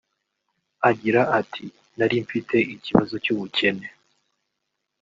Agira ati “Nari mfite ikibazo cy’ubukene